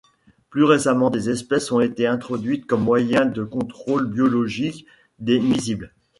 Plus récemment, des espèces ont été introduites comme moyen de contrôle biologique des nuisibles.